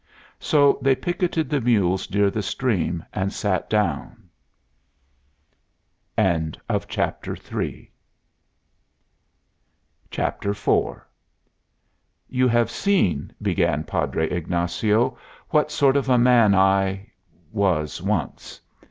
So they picketed the mules near the stream and sat down. IV "You have seen," began Padre Ignacio, "what sort of a man I was once.